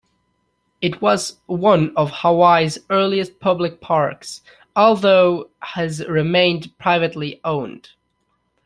It was one of Hawaii's earliest public parks although has remained privately owned.